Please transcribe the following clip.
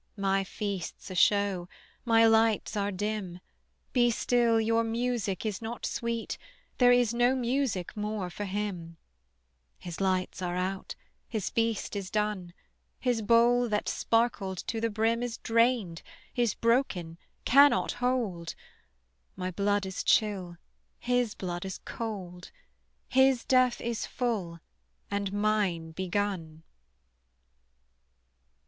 My feast's a show, my lights are dim; Be still, your music is not sweet, There is no music more for him: His lights are out, his feast is done; His bowl that sparkled to the brim Is drained, is broken, cannot hold; My blood is chill, his blood is cold; His death is full, and mine begun.